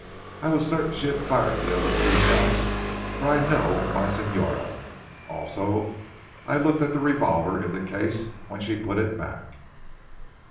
I was certain she had fired the other three shots for I know my signora. Also I looked at the revolver in the case when she put it back."